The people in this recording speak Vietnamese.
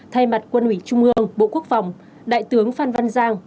thay mặt quân ủy trung ương bộ quốc phòng đại tướng phan văn giang